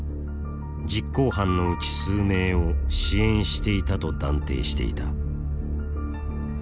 実行犯のうち数名を支援していたと断定していた。